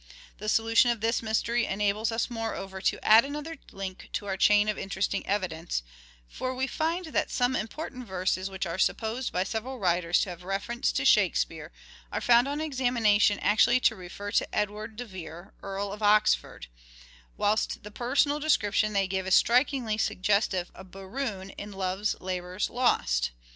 The solution of this mystery enables us, moreover, to add another link to our chain of interesting evidence ; for we find that some important verses which are supposed by several writers to have reference to Shakespeare are found on examination actually to refer to Edward de Vere, Earl of Oxford ; whilst the personal description they give is strikingly suggestive of Berowne in "Love's Labour's Lost."